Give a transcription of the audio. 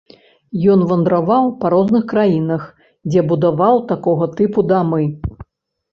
Ён вандраваў па розных краінах, дзе будаваў такога тыпу дамы.